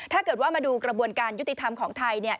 ถ้าเกิดว่ามาดูกระบวนการยุติธรรมของไทย